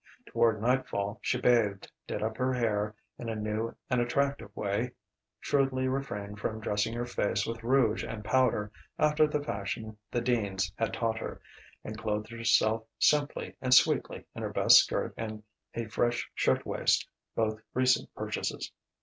Toward nightfall she bathed, did up her hair in a new and attractive way, shrewdly refrained from dressing her face with rouge and powder after the fashion the Deans had taught her, and clothed herself simply and sweetly in her best skirt and a fresh shirtwaist both recent purchases.